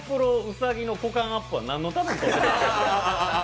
兎の股間アップは何のために撮ってるの？